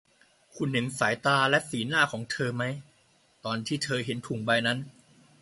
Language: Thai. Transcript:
คุณเห็นสายตาและสีหน้าของเธอไหมตอนที่เธอเห็นถุงใบนั้น